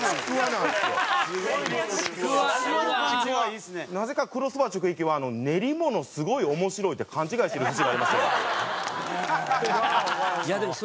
なぜかクロスバー直撃は練り物すごい面白いって勘違いしてる節がありまして。